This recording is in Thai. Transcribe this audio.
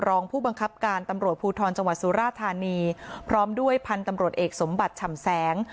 รองผู้บังคับการตำรวจภูทรจังหวัดสุราธานีพร้อมด้วยพันธุ์ตำรวจเอกสมบัติฉ่ำแสง